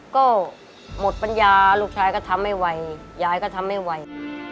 ก็หมดปัญญาลูกชายก็ทำไม่ไหวยายก็ทำไม่ไหว